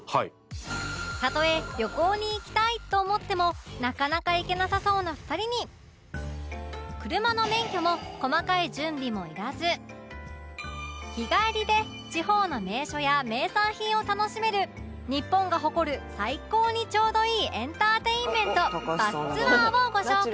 たとえ旅行に行きたいと思ってもなかなか行けなさそうな２人に車の免許も細かい準備もいらず日帰りで地方の名所や名産品を楽しめる日本が誇る最高にちょうどいいエンターテインメントバスツアーをご紹介